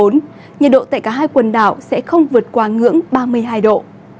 nhiệt độ tại cả hai quần đảo sẽ không vượt qua ngưỡng ba mươi hai độ